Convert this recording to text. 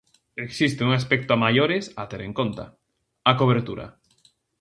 Existe un aspecto a maiores a ter en conta: a cobertura.